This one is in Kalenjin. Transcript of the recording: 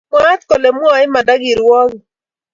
Mwaat kole mwoe imanda kirwokik